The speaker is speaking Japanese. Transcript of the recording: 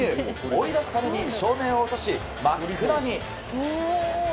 追い出すために照明を落とし真っ暗に。